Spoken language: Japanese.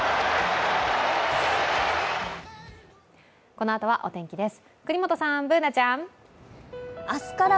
このあとはお天気です。